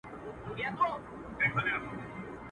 د سل سري اژدها پر كور ناورين سو.